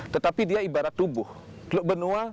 tetapi dia ibarat tubuh teluk benua